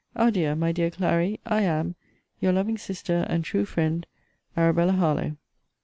Adieu, my dear Clary! I am, Your loving sister, and true friend, ARABELLA HARLOWE.